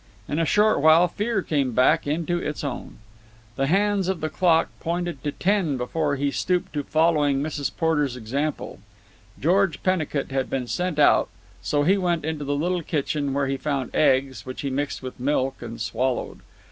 In a short while fear came back into its own. The hands of the clock pointed to ten before he stooped to following Mrs. Porter's example. George Pennicut had been sent out, so he went into the little kitchen, where he found eggs, which he mixed with milk and swallowed.